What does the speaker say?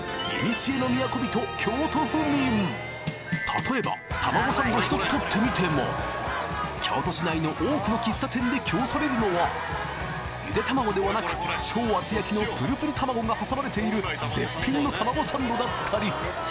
例えばたまごサンド１つとってみても京都市内の多くの喫茶店で供されるのはゆで卵ではなく超厚焼きのプルプル卵が挟まれている絶品のたまごサンドだったり